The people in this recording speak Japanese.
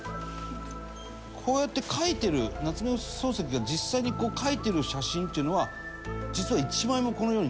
こうやって書いてる夏目漱石が実際にこう書いてる写真っていうのは実は１枚もこの世にないんですよ。